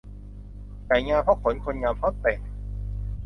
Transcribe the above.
ไก่งามเพราะขน คนงามเพราะแต่ง